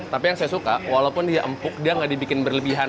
tapi yang saya suka walaupun dia empuk dia nggak dibikin berlebihan